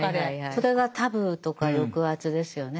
それがタブーとか抑圧ですよね。